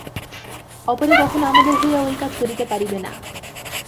অপরে কখনও আমাদের হইয়া ঐ কাজ করিতে পারিবে না।